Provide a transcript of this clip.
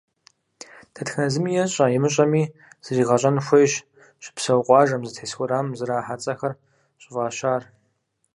Дэтхэнэ зыми ещӏэ, имыщӏэми зригъэщӏэн хуейщ щыпсэу къуажэм, зытес уэрамым зэрахьэ цӏэхэр щӏыфӏащар.